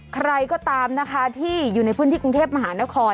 ใครก็ตามนะคะที่อยู่ในพื้นที่กรุงเทพมหานคร